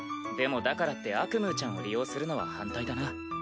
でもだからってアクムーちゃんを利用するのは反対だな。